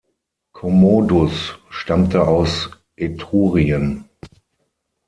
Commodus stammte aus Etrurien.